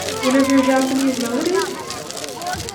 One of your Japanese melodies?